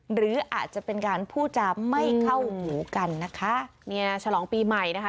หรืออาจจะเป็นการพูดจาไม่เข้าหูกันนะคะเนี่ยฉลองปีใหม่นะคะ